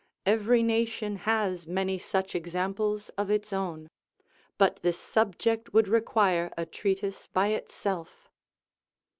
Every nation has many such examples of its own; but this subject would require a treatise by itself.